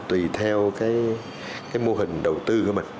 tùy theo mô hình đầu tư của mình